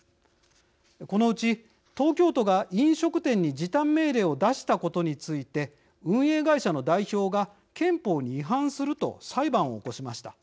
このうち、東京都が飲食店に時短命令を出したことについて運営会社の代表が憲法に違反すると裁判を起こしました。